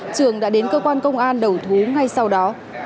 trường đã đến cơ quan công an đầu thú ngay sau đó